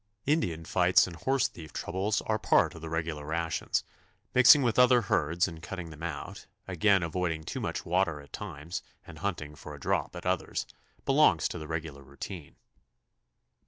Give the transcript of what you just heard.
Indian fights and horse thief troubles are part of the regular rations. Mixing with other herds and cutting them out, again avoiding too much water at times and hunting for a drop at others, belongs to the regular routine.